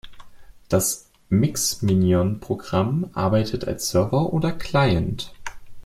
Das Mixminion-Programm arbeitet als Server oder Client.